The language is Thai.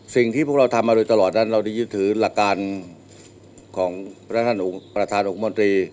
สิ่งที่พวกเราทำกันโดยตลอดและที่รักษาทางโมนตรี